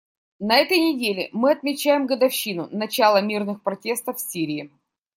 На этой неделе мы отмечаем годовщину начала мирных протестов в Сирии.